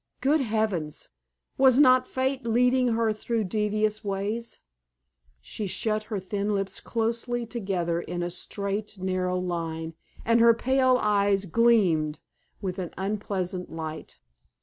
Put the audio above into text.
Good heavens! was not fate leading her through devious ways? She shut her thin lips closely together in a straight, narrow line, and her pale eyes gleamed with an unpleasant light.